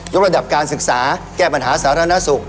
กระดับการศึกษาแก้ปัญหาสาธารณสุข